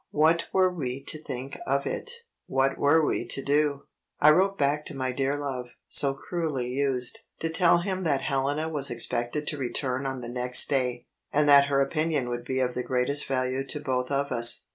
What were we to think of it? What were we to do? I wrote back to my dear love (so cruelly used) to tell him that Helena was expected to return on the next day, and that her opinion would be of the greatest value to both of us.